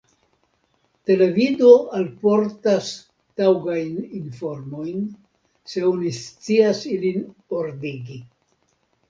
Televido alportas taŭgajn informojn, se oni scias ilin ordigi.